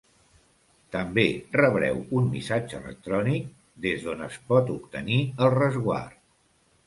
També rebreu un missatge electrònic des d'on es pot obtenir el resguard.